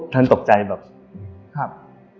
ท่านตกใจแบบ